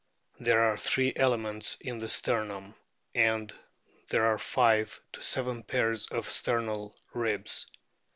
There are three elements in the sternum, and there are five to seven pairs of sternal ribs.